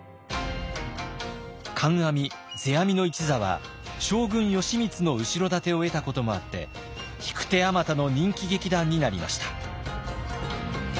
観阿弥世阿弥の一座は将軍義満の後ろ盾を得たこともあって引く手あまたの人気劇団になりました。